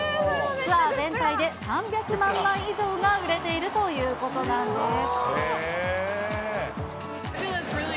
ツアー全体で３００万枚以上が売れているということなんです。